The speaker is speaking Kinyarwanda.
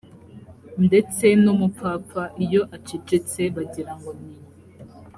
ndetse n umupfapfa iyo acecetse bagira ngo ni